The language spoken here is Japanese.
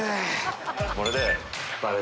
これで。